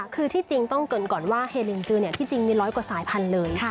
คือที่จริงต้องเกินก่อนว่าเฮลิงจือที่จริงมีร้อยกว่าสายพันธุ์เลย